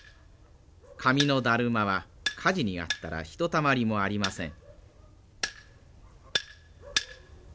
紙のだるまは火事に遭ったらひとたまりもありません。